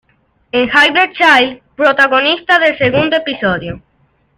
Es un Hybrid Child protagonista del segundo episodio.